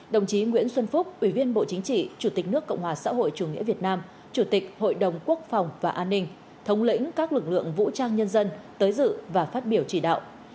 đồng chí nguyễn xuân phúc ủy viên bộ chính trị chủ tịch nước cộng hòa xã hội chủ nghĩa việt nam chủ tịch hội đồng quốc phòng và an ninh thống lĩnh các lực lượng vũ trang nhân dân tới dự và phát biểu chỉ đạo